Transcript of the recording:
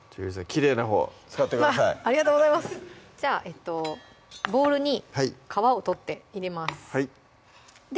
きれいなほう使ってくださいありがとうございますじゃあボウルに皮を取って入れますはいで